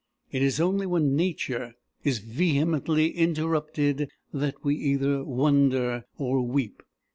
It is only when nature is vehemently interrupted that we either wonder or weep.